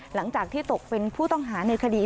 หลังจากที่ตกเป็นผู้ต้องหาในคดี